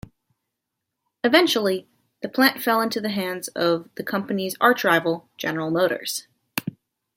Eventually, the plant fell into the hands of the company's archrival, General Motors.